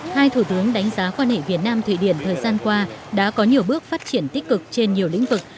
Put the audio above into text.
hai thủ tướng đánh giá quan hệ việt nam thụy điển thời gian qua đã có nhiều bước phát triển tích cực trên nhiều lĩnh vực